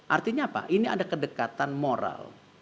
artinya apa ini ada kedekatan moral